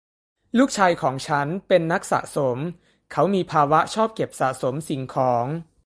ลูกชายของฉันเป็นนักสะสม : เขามีภาวะชอบเก็บสะสมสิ่งของ